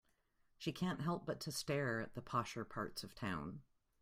She can't help but to stare at the posher parts of town.